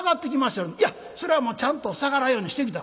「いやそれはもうちゃんと下がらんようにしてきた」。